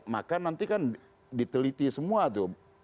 maka nanti kan diteliti semua tuh